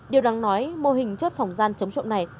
điều đáng nói mô hình chốt phòng gian chống trộm này